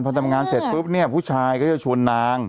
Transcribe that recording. พอทำงานเสร็จปุ๊บเนี่ยผู้ชายก็จะชวนนาง